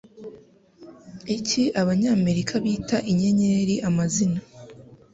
Iki Abanyamerika bita inyenyeri amazina